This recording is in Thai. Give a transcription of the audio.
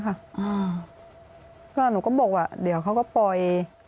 เพราะฉะนั้นหนูก็บอกว่าเดี๋ยวเขาก็ปล่อย